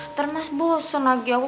ntar mas bosan lagi aku